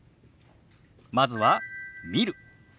まずは「見る」。